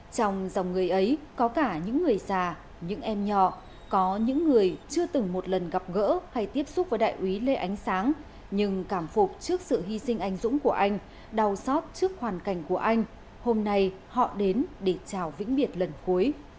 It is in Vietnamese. trong dòng người ấy có cả những người già những em nhỏ có những người chưa từng một lần gặp gỡ hay tiếp xúc với đại úy lê ánh sáng nhưng cảm phục trước sự hy sinh anh dũng của anh đau xót trước hoàn cảnh của anh hôm nay họ đến để chào vĩnh biệt lần cuối